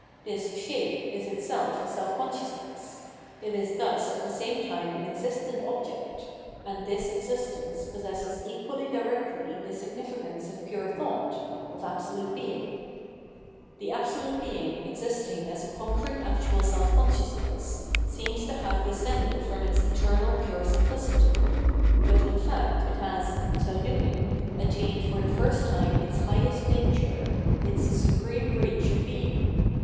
This shape is itself a self consciousness ; it is thus at the same time an existent object ; and this existence possesses equally directly the significance of pure thought, of Absolute Being. The absolute Being existing as a concrete actual self consciousness, seems to have descended from its eternal pure simplicity ; but in fact it has, in so doing, attained for the first time its highest nature, its supreme reach of being.